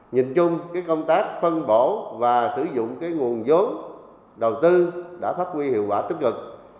nhìn chung công tác phân bổ và sử dụng nguồn giống đầu tư đã phát huy hiệu quả tích cực